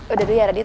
udah deh ya radit